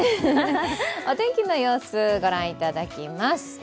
お天気の様子、ご覧いただきます